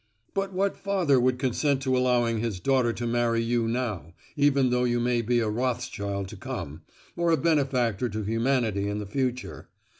"But what father would consent to allowing his daughter to marry you now—even though you may be a Rothschild to come, or a benefactor to humanity in the future.